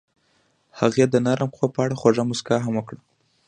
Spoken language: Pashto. هغې د نرم خوب په اړه خوږه موسکا هم وکړه.